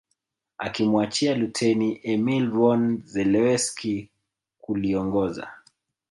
Akimwachia Luteni Emil von Zelewski kuliongoza